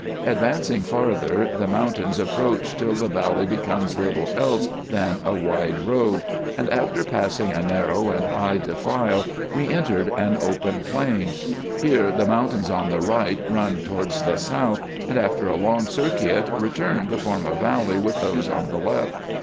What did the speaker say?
Advancing farther, the mountains approach till the valley becomes little else than a wide road ; and after pass ing a narrow and high defile we entered an open plain. Here the mountains on the right run towards the south, and after a long circuit return to form a valley with those on the left.